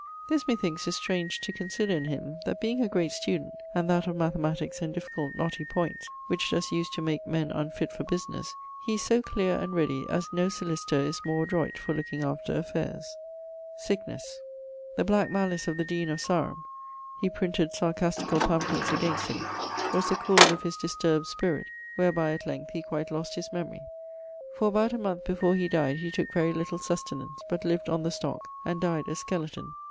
This, methinkes, is strange to consider in him, that being a great student (and that of mathematiques and difficult knotty points, which does use to make men unfit for businesse), he is so cleare and ready, as no sollicitor is more adroit for looking after affaires. Sicknes. The black malice of the dean[CP] of Sarum he printed sarcasticall pamphletts against him was the cause of his disturbd spirit, wherby at length he quite lost his memorie. For about a moneth before he dyed he tooke very little sustenance, but lived on the stock and died a skeleton.